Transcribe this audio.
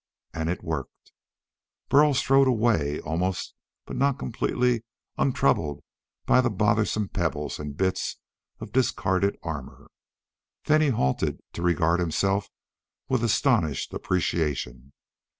And it worked. Burl strode away, almost but not completely untroubled by the bothersome pebbles and bits of discarded armor. Then he halted to regard himself with astonished appreciation.